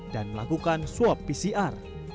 dan melakukan swab pcr